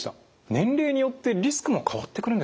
年齢によってリスクも変わってくるんですね。